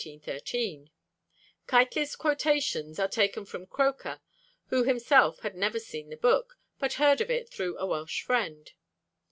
Keightley's quotations are taken from Croker, who himself had never seen the book, but heard of it through a Welsh friend.